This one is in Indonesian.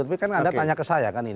tapi kan anda tanya ke saya kan ini